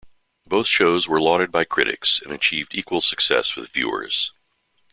Both shows were lauded by critics, and achieved equal success with viewers.